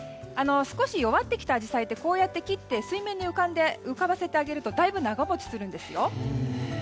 少し弱ってきたアジサイってこうやって切って水面に浮かばせてあげるとだいぶ長持ちするんですよ。